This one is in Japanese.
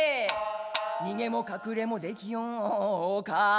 「逃げもかくれもできようか」